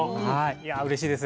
いやうれしいです。